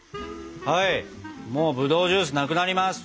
はいもうぶどうジュースなくなります。